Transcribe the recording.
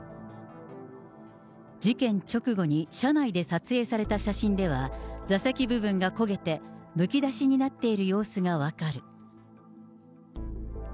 事件直後に車内で撮影された写真では、座席部分が焦げて、むき出しになっている様子が分かる。